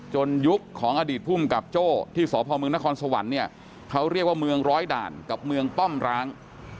ยุคของอดีตภูมิกับโจ้ที่สพมนครสวรรค์เนี่ยเขาเรียกว่าเมืองร้อยด่านกับเมืองป้อมร้าง